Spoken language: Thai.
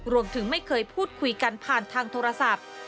รวมถึงไม่เคยพูดคุยกันผ่านทางโทรศัพท์